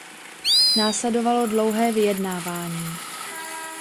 Následovalo dlouhé vyjednávání.